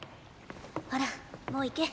ほらもう行け。